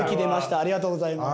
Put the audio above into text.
ありがとうございます。